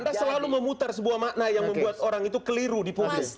anda selalu memutar sebuah makna yang membuat orang itu keliru di publik